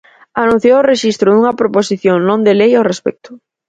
Anunciou o rexistro dunha Proposición Non de Lei ao respecto.